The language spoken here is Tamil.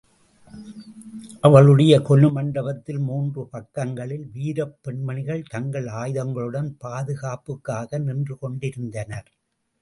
அவளுடைய கொலுமண்டபத்தில் மூன்று பக்கங்களில் வீரப் பெண்மணிகள் தங்கள் ஆயுதங்களுடன் பாதுகாப்புக்காக நின்றுகொண்டிருந்தனர்.